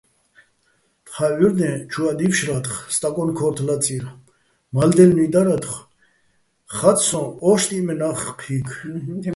თხა ჸურდეჼ, ჩუაჸ დიფშრა́თხ, სტაკონ ქო́რთო̆ ლაწირ, მალდელნუ́ჲ დარათხო̆, ხაწ სო́ჼ: ოშტიჸ მენა́ხ ჴი́ქ.